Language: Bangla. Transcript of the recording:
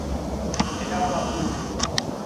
এটা বলা ভুল ছিল।